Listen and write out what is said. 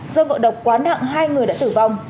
do ngộ độc quá nặng hai người đã tử vong